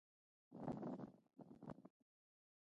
افغانستان په ځمکنی شکل غني دی.